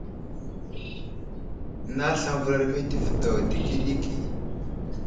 Nay aslam məvəlar meltivi daw ɗikiɗiki.